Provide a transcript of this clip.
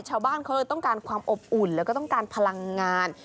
ชาวบ้านเขาเลยต้องการความอบอุ่นแล้วก็ต้องการพลังงาน